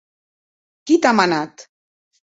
Qui t’a manat?